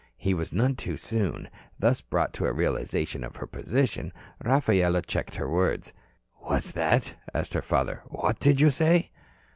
He was none too soon. Thus brought to a realization of her position, Rafaela checked the words. "What's that?" asked her father. "What did you say?"